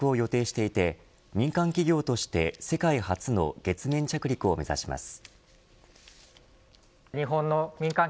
来年春の月到着を予定していて民間企業として世界初の月面着陸を目指します。